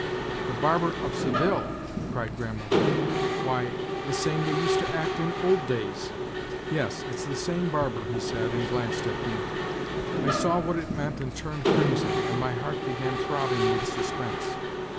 ' The Barber of Seville,' cried grandmother; 'why, the same they used to act in old days ?'' Yes, it's the same barber,' he said, and glanced at me. I saw what it meant and turned crimson, and my heart began throbbing with suspense.